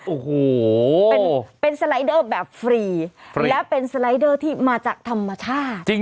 โอ้โหเป็นสไลเดอร์แบบฟรีและเป็นสไลเดอร์ที่มาจากธรรมชาติ